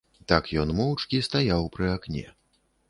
Так ён моўчкі стаяў пры акне.